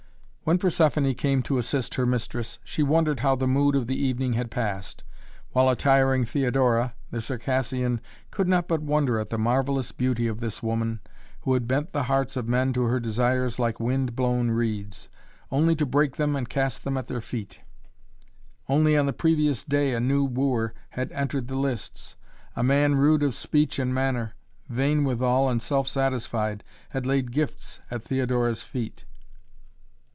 When Persephoné came to assist her mistress, she wondered how the mood of the evening had passed. While attiring Theodora, the Circassian could not but wonder at the marvellous beauty of this woman who had bent the hearts of men to her desires like wind blown reeds, only to break them and cast them at their feet. Only on the previous day a new wooer had entered the lists; a man rude of speech and manner, vain withal and self satisfied, had laid gifts at Theodora's feet.